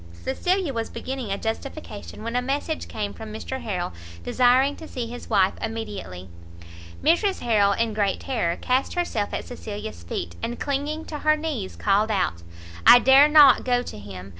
Cecilia was beginning a justification, when a message came from Mr Harrel, desiring to see his wife immediately. Mrs Harrel, in great terror, cast herself at Cecilia's feet, and clinging to her knees, called out "I dare not go to him!